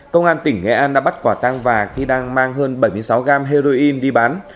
công an tỉnh nghệ an đã bắt quả tang và khi đang mang hơn bảy mươi sáu gram heroin đi bán